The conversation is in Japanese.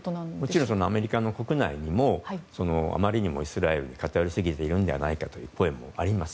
もちろんアメリカ国内にもあまりにもイスラエルに偏りすぎているのではないかという声もあります。